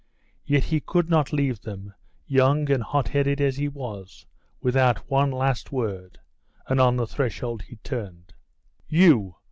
Yet he could not leave them, young and hot headed as he was, without one last word, and on the threshold he turned. 'You!